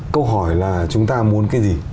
câu hỏi là chúng ta muốn cái gì